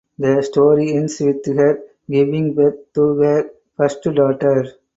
The story ends with her giving birth to her first daughter.